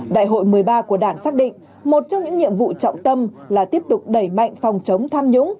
đại hội một mươi ba của đảng xác định một trong những nhiệm vụ trọng tâm là tiếp tục đẩy mạnh phòng chống tham nhũng